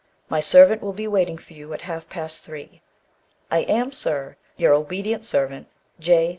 My servant will be in waiting for you at half past three. I am, sir, your obedient servant, J.